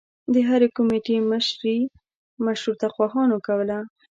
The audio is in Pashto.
د هرې کومیټي مشري مشروطه خواهانو کوله.